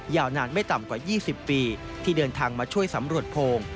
ยาวนานไม่ต่ำกว่า๒๐ปีที่เดินทางมาช่วยสำรวจโพง